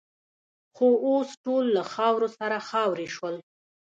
خو اوس ټول له خاورو سره خاوروې شول.